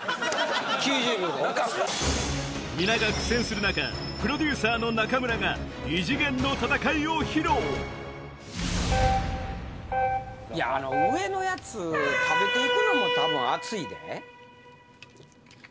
皆が苦戦する中プロデューサーの中村が異次元の戦いを披露上のやつ食べて行くのも多分熱いで。